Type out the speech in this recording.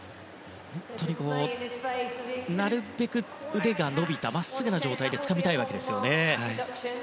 なるべく腕が伸びた真っすぐな状態でつかみたいわけですよね。